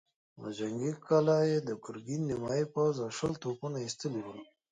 له جنګي کلا يې د ګرګين نيمايي پوځ او شل توپونه ايستلي ول.